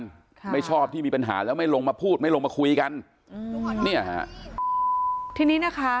ค่ะไม่ชอบที่มีปัญหาแล้วไม่ลงมาพูดไม่ลงมาคุยกันอืมเนี่ยฮะทีนี้นะคะ